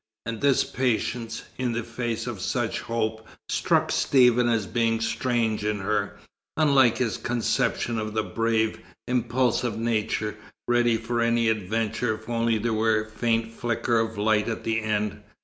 And this patience, in the face of such hope, struck Stephen as being strange in her, unlike his conception of the brave, impulsive nature, ready for any adventure if only there were a faint flicker of light at the end.